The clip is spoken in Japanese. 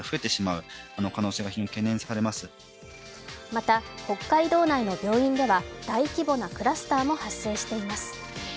また北海道内の病院では大規模なクラスターも発生しています。